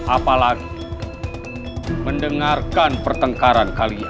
apalagi mendengarkan pertengkaran kalian